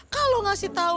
kalau ngasih tahu